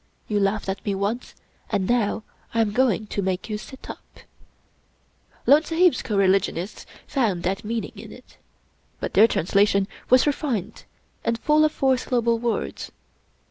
You laughed at me once, and now I am going to make you sit up/' Lone Sahib's coreligionists found that meaning in it ; but their translation was refined and full of four syllable words.